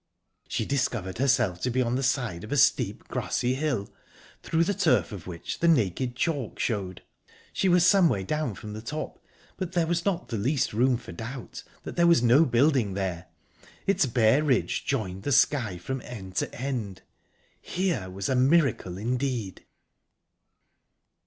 She discovered herself to be on the side of a steep, grassy hill, through the turf of which the naked chalk showed. She was some way down from the top, but there was not the least room for doubt that there was no building there; its bare ridge joined the sky from end to end...Here was a miracle indeed!...